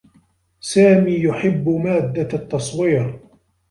سامي يحبّ مادّة التّصوير.